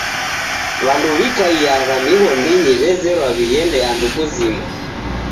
W'andu wikaiagha mighondinyi w'ezerwa w'ighende andu kuzima.